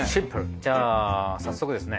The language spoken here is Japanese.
じゃあ早速ですね。